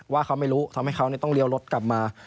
ว่าเขาไม่รู้ทำให้เขาต้องเลี้ยวรถกลับมา